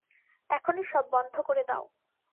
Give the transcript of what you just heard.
এখনই সব বন্ধ করে দাও।